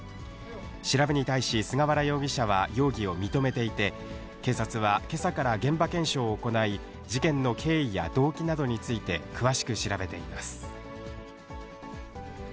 調べに対し菅原容疑者は容疑を認めていて、警察はけさから現場検証を行い、事件の経緯や動機などについて詳しく調べています。